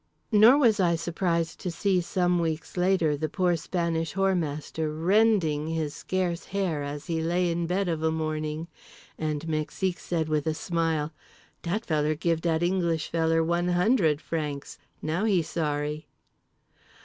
Nor was I surprised to see, some weeks later, the poor Spanish Whoremaster rending his scarce hair as he lay in bed of a morning. And Mexique said with a smile: "Dat feller give dat English feller one hundred francs. Now he sorry."